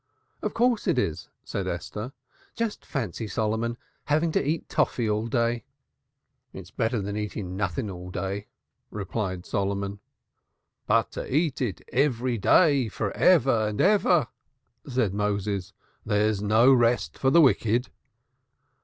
"Of course, it is," said Esther. "Just fancy, Solomon, having to eat toffy all day." "It's better than eating nothing all day," replied Solomon. "But to eat it every day for ever and ever!" said Moses. "There's no rest for the wicked."